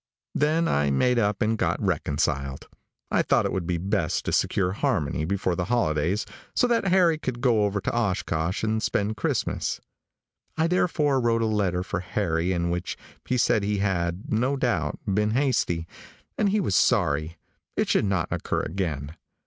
Then I made up and got reconciled. I thought it would be best to secure harmony before the holidays so that Harry could go over to Oshkosh and spend Christmas. I therefore wrote a letter for Harry in which he said he had, no doubt, been hasty, and he was sorry. It should not occur again.